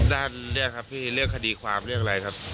ด้านเนี่ยครับพี่เรื่องคดีความเรื่องอะไรครับ